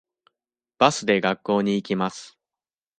バスで学校に行きます。